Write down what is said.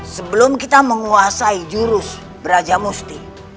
sebelum kita menguasai jurus belajar musti